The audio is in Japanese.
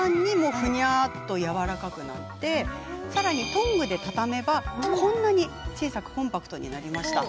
ふにゃっと、やわらかくなりトングで畳めばこんなにコンパクトになりました。